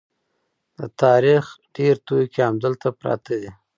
د تاریخ ډېر توکي همدلته پراته دي.